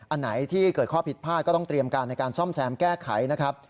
อันไหนที่เกิดข้อผิดพลาดก็ต้องเตรียมการในการซ่อมแซมแก้ไขนะครับ